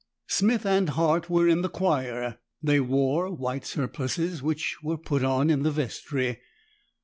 Smith and Hart were in the choir: they wore white surplices which were put on in the vestry.